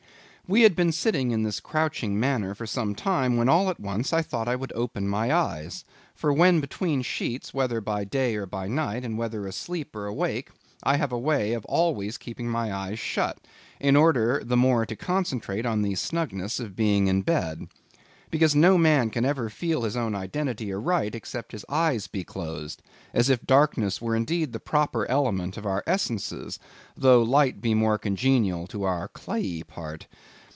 We had been sitting in this crouching manner for some time, when all at once I thought I would open my eyes; for when between sheets, whether by day or by night, and whether asleep or awake, I have a way of always keeping my eyes shut, in order the more to concentrate the snugness of being in bed. Because no man can ever feel his own identity aright except his eyes be closed; as if darkness were indeed the proper element of our essences, though light be more congenial to our clayey part.